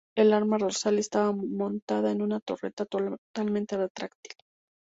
El arma dorsal estaba montada en una torreta totalmente retráctil.